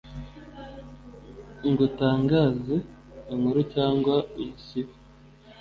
ngo utangaze inkuru cyangwa uyisibe.